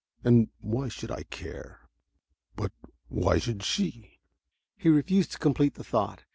And why should I care why should she? But...." He refused to complete the thought.